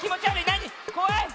なに？こわい！